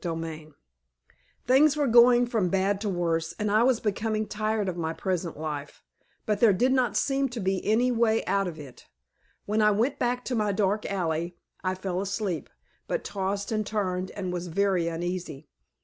CHAPTER IV Things were going from bad to worse and I was becoming tired of my present life, but there did not seem to be any way out of it. When I went back to my dark alley I fell asleep, but tossed and turned and was very uneasy.